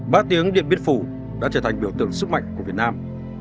ba tiếng điện biên phủ đã trở thành biểu tượng sức mạnh của việt nam